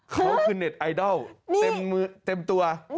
เขาคือเน็ตไอดอลเต็มตัว